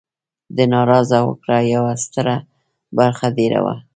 د ناراضه وګړو یوه ستره برخه دېره وه.